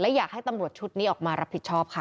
อยากให้ตำรวจชุดนี้ออกมารับผิดชอบค่ะ